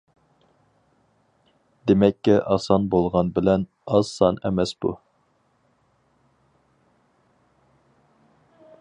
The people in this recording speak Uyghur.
دېمەككە ئاسان بولغان بىلەن ئاز سان ئەمەس بۇ.